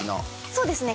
そうですね